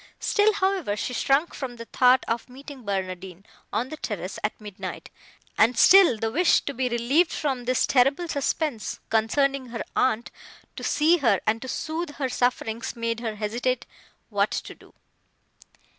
Still, however, she shrunk from the thought of meeting Barnardine, on the terrace, at midnight; and still the wish to be relieved from this terrible suspense, concerning her aunt, to see her, and to sooth her sufferings, made her hesitate what to do.